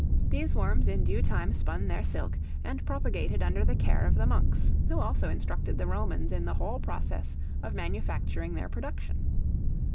These worms in due time spun their silk, and propagated under the care of the monks, who also instructed the Romans in the whole process of manufacturing their production.